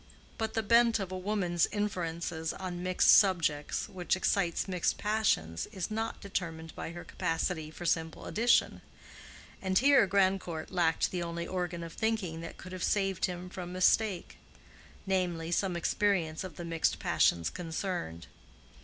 But the bent of a woman's inferences on mixed subjects which excites mixed passions is not determined by her capacity for simple addition; and here Grandcourt lacked the only organ of thinking that could have saved him from mistake—namely, some experience of the mixed passions concerned.